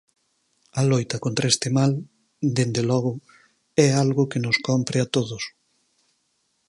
A loita contra este mal, dende logo, é algo que nos cómpre a todos.